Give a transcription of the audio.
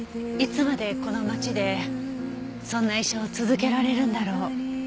いつまでこの町でそんな医者を続けられるんだろう。